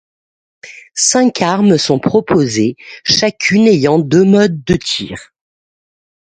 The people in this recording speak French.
Cinq armes sont proposées, chacune ayant deux modes de tir.